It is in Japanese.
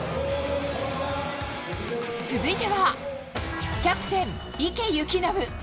続いてはキャプテン・池透暢。